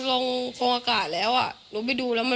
ตกลงไปจากรถไฟได้ยังไงสอบถามแล้วแต่ลูกชายก็ยังเล็กมากอะ